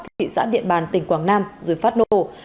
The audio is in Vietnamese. thị xã điện bàn tỉnh quảng nam rồi phát nổ